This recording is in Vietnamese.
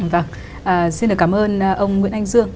vâng xin cảm ơn ông nguyễn anh dương